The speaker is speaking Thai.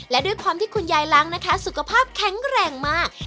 และด้วยความที่คุณยายล้างนะคะสุขภาพแข็งแรงมาก